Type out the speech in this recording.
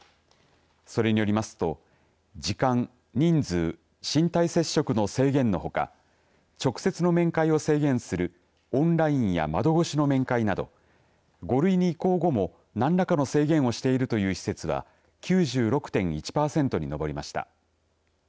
それによりますと時間・人数・身体接触の制限のほか直接の面会を制限するオンラインや窓越しの面会など５類に移行後も何らかの制限をしているという施設は９６．１パーセントに上りました。